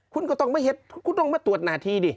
คุณก็ต้องไม่เห็นคุณต้องมาตรวจหน้าที่ดิ